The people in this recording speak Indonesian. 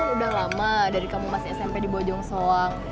udah lama dari kamu masih smp di bojong soang